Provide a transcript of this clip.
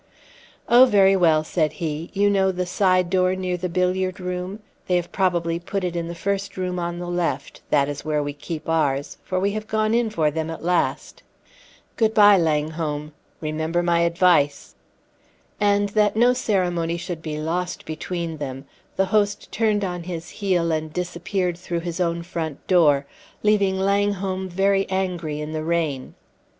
"Oh, very well," said he. "You know the side door near the billiard room? They have probably put it in the first room on the left; that is where we keep ours for we have gone in for them at last. Good by, Langholm; remember my advice." And, that no ceremony should be lost between them, the host turned on his heel and disappeared through his own front door, leaving Langholm very angry in the rain.